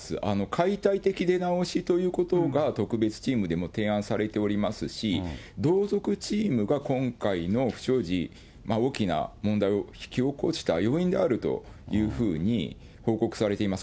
解体的出直しということが特別チームでも提案されておりますし、同族チームが今回の不祥事、大きな問題を引き起こした要因であるというふうに報告されています。